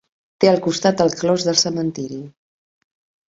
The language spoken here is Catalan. Té al costat el clos del cementiri.